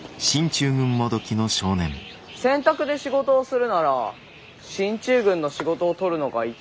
洗濯で仕事をするなら進駐軍の仕事をとるのが一番だよ。